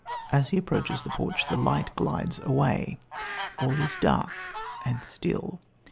As he approaches the porch, the light glides away. All is dark and still.